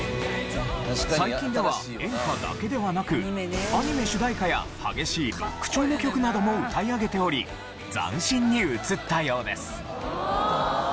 最近では演歌だけではなくアニメ主題歌や激しいロック調の曲なども歌い上げており斬新に映ったようです。